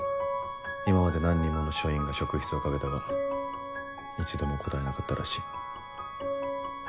今まで何人もの署員が職質をかけたが一度も答えなかったらしい。